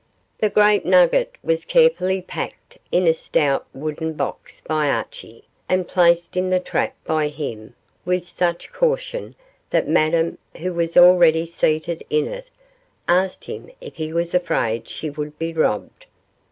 The great nugget was carefully packed in a stout wooden box by Archie, and placed in the trap by him with such caution that Madame, who was already seated in it, asked him if he was afraid she would be robbed.